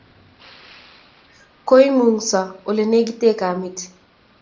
Koimungso olenegit kamit